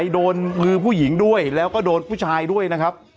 โดนมือผู้หญิงด้วยแล้วก็โดนผู้ชายด้วยนะครับ